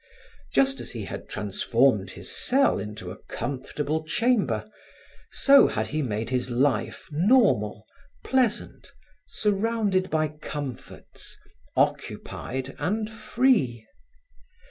Just as he had transformed his cell into a comfortable chamber, so had he made his life normal, pleasant, surrounded by comforts, occupied and free.